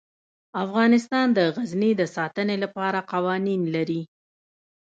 افغانستان د غزني د ساتنې لپاره قوانین لري.